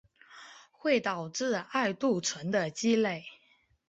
会导致艾杜醇的积累。